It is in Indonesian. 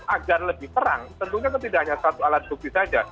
agar lebih terang tentunya itu tidak hanya satu alat bukti saja